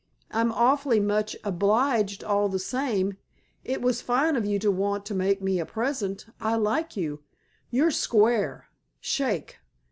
I'm awfully much obliged all the same; it was fine of you to want to make me a present. I like you. You're square. Shake.